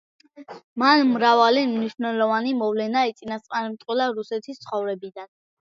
მან მრავალი მნიშვნელოვანი მოვლენა იწინასწარმეტყველა რუსეთის ცხოვრებიდან.